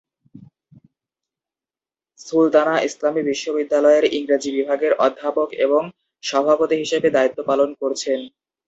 সুলতানা ইসলামী বিশ্ববিদ্যালয়ের ইংরেজি বিভাগের অধ্যাপক এবং সভাপতি হিসাবে দায়িত্ব পালন করছেন।